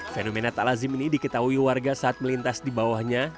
fenomena tak lazim ini diketahui warga saat melintas di bawahnya